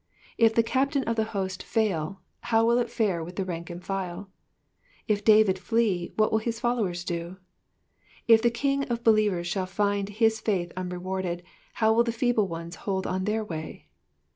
If the captain of the host fail, how will it fare with the rank and file ? If David flee, what will his followers do ? If the king of believers shall find his faith unrewarded, how will the feeble ones hold on their way